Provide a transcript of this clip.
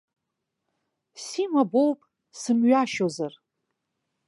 Сима боуп, сымҩашьозар?!